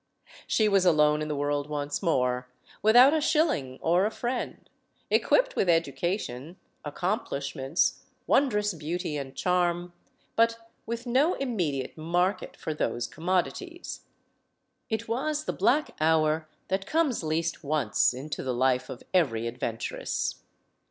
She was alone in the world once more, without a shilling or a friend; equipped with education, accom plishments, wondrous beauty, and charm, but with no immediate market for those commodities. It was the black hour that comes least once into the life of every adventuress.